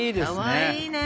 かわいいね。